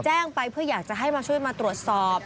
แจ้งไปเพื่ออยากจะให้มาช่วยมาตรวจสอบ